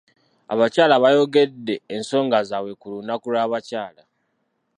Abakyala baayogedde ensonga zaabwe ku lunaku lw'abakyala.